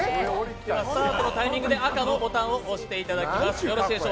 スタートのタイミングで赤のボタンを押していただきます。